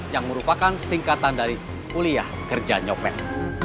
yang merupakan singkatan dari kuliah kerja nyopek